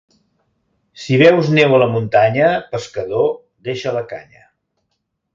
Si veus neu a la muntanya, pescador, deixa la canya.